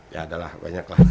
ya adalah banyak lah